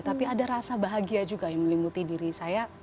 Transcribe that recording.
tapi ada rasa bahagia juga yang melinguti diri saya